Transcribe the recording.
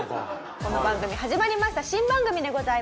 この番組始まりました新番組でございます。